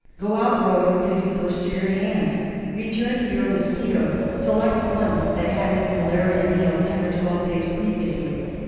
Go out rowing till you blister your hands. Return to your mosquitoes. Select one that had its malarial meal ten or twelve days previously.